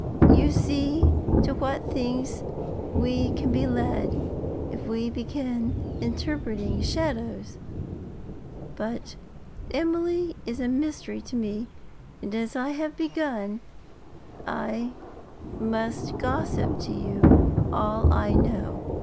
You see to what things we can be led, if we begin interpreting shadows; but Emily is a mystery to me, and, as I have begun, I must gossip to you all I know.'